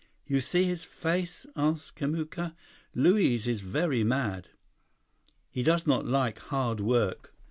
"You see his face?" asked Kamuka. "Luiz is very mad. He does not like hard work."